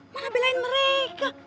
mana belain mereka